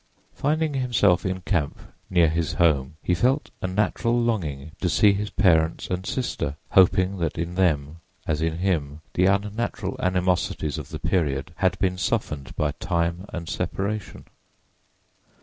Finding himself in camp near his home, he felt a natural longing to see his parents and sister, hoping that in them, as in him, the unnatural animosities of the period had been softened by time and separation.